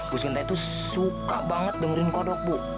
bos genta itu suka banget dengerin kodok bu